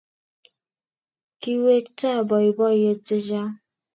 Kiwekta boiboiyet chechang